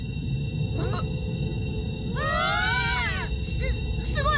すすごい。